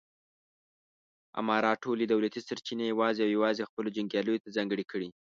امارت ټولې دولتي سرچینې یوازې او یوازې خپلو جنګیالیو ته ځانګړې کړې.